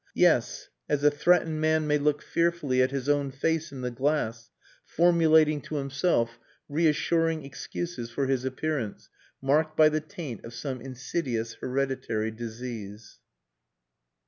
Yes, as a threatened man may look fearfully at his own face in the glass, formulating to himself reassuring excuses for his appearance marked by the taint of some insidious hereditary disease.